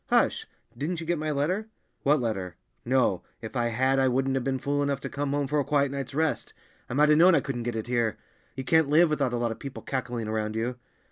"Hush! Didn't you get my letter?" "What letter? No, if I had I wouldn't have been fool enough to come home for a quiet night's rest; I might have known I couldn't get it here. You can't live without a lot of people cackling around you."